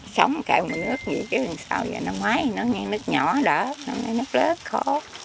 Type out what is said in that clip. sống kèo một nước như thế sao vậy nó ngoái nó như nước nhỏ đó nước lớp khó